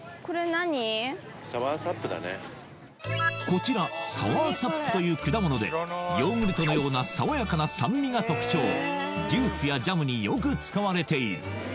こちらサワーサップという果物でヨーグルトのような爽やかな酸味が特徴ジュースやジャムによく使われている